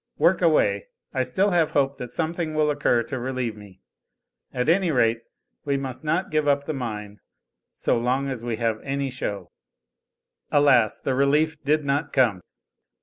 Work away. I still have hope that something will occur to relieve me. At any rate we must not give up the mine, so long as we have any show." Alas! the relief did not come.